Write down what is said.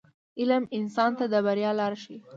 • علم انسان ته د بریا لار ښیي.